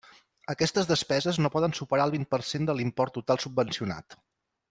Aquestes despeses no poden superar el vint per cent de l'import total subvencionat.